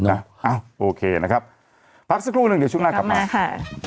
เอ้าโอเคนะครับพักสักครู่หนึ่งเดี๋ยวช่วงหน้ากลับมาค่ะ